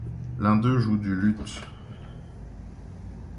L'un d'eux joue du luth.